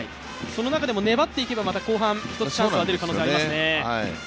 その中でも粘っていけば、また後半一つチャンスが出る可能性はありますね。